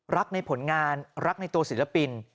รักในผลงานรักในตัวศิลปิน